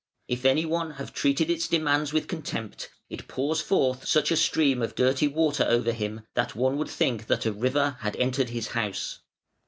If any one have treated its demands with contempt, it pours forth such a stream of dirty water over him that one would think that a river had entered his house.